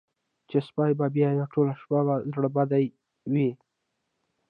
چې سپۍ به بیا ټوله شپه زړه بدې وي.